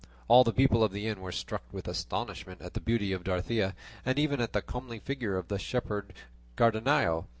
All the people of the inn were struck with astonishment at the beauty of Dorothea, and even at the comely figure of the shepherd Cardenio.